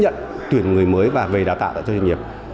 chấp nhận tuyển người mới và về đào tạo cho doanh nghiệp